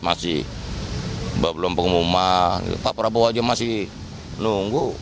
masih belum pengumuman pak prabowo aja masih nunggu